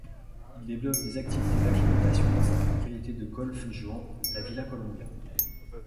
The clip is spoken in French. Il développe des activités d'acclimatation dans sa propriété de Golfe Juan, la villa Colombia.